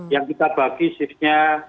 yang kita bagi sifnya